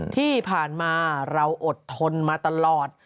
ที่ผ่านมาเราอดทนมาตลอด